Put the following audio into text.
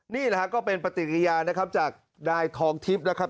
นี่แหละฮะก็เป็นปฏิกิริยานะครับจากนายทองทิพย์นะครับ